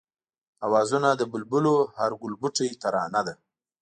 آوازونه د بلبلو هر گلبوټی ترانه ده